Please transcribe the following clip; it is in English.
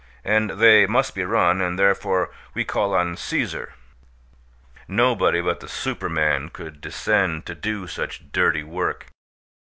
And they must be run, and therefore we call on Caesar. Nobody but the Superman could descend to do such dirty work.